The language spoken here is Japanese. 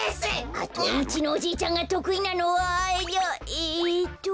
あとうちのおじいちゃんがとくいなのはえっと。